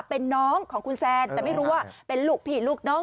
เป็นน้องของคุณแซนแต่ไม่รู้ว่าเป็นลูกพี่ลูกน้อง